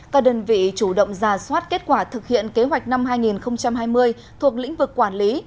các đơn vị chủ động ra soát kết quả thực hiện kế hoạch năm hai nghìn hai mươi thuộc lĩnh vực quản lý